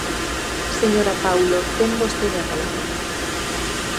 Señora Paulo, ten vostede a palabra.